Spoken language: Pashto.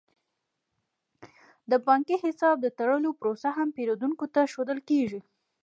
د بانکي حساب د تړلو پروسه هم پیرودونکو ته ښودل کیږي.